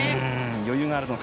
余裕があるのか。